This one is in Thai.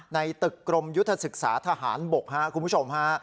ในตึกกรมยุทธศึกษาทหารบกครับคุณผู้ชมฮะ